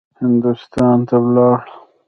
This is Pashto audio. هندوستان ته ولاړ.